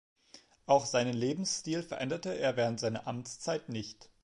Auch seinen Lebensstil veränderte er während seiner Amtszeit nicht.